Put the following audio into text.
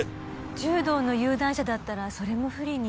柔道の有段者だったらそれも不利に。